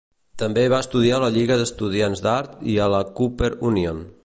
També va estudiar a la Lliga d'Estudiants d'Art i a la Cooper Union.